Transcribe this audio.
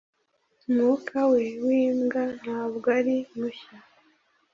umwuka we wimbwa ntabwo ari mushya